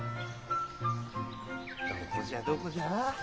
どこじゃどこじゃ？